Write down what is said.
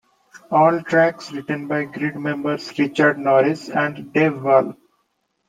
All tracks written by Grid members Richard Norris and Dave Ball.